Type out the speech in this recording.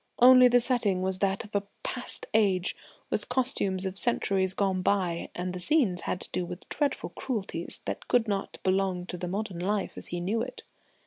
Only the setting was that of a past age, with costumes of centuries gone by, and the scenes had to do with dreadful cruelties that could not belong to modern life as he knew it.